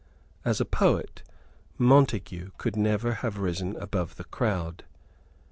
As a poet Montague could never have risen above the crowd.